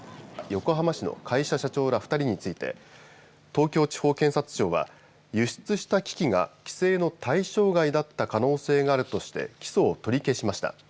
横浜市の会社社長ら２人について東京地方検察庁は、輸出した機器が規制の対象外だった可能性があるとして起訴を取り消しました。